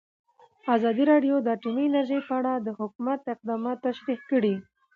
ازادي راډیو د اټومي انرژي په اړه د حکومت اقدامات تشریح کړي.